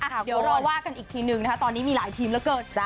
เดี๋ยวรอว่ากันอีกทีนึงนะคะตอนนี้มีหลายทีมเหลือเกิน